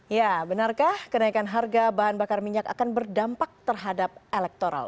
ya benarkah kenaikan harga bahan bakar minyak akan berdampak terhadap elektoral